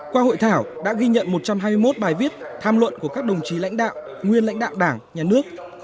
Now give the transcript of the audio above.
qua hội thảo đã ghi nhận một trăm hai mươi một bài viết tham luận của các đồng chí lãnh đạo nguyên lãnh đạo đảng nhà nước